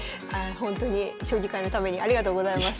ほんとに将棋界のためにありがとうございます。